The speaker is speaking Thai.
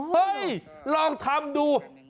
เฮ้ยลองทำดู